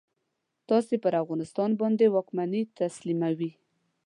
تاسې پر افغانستان باندي واکمني تسلیموي.